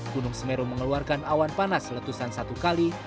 gunung semeru mengeluarkan awan panas letusan satu kali